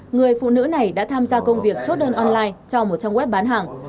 người phụ nữ này đã tham gia công việc chốt đơn online cho một trang web bán hàng